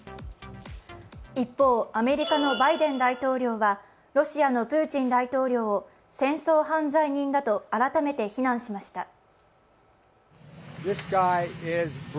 一方、アメリカのバイデン大統領はロシアのプーチン大統領を、戦争犯罪人だと改めて非難しました。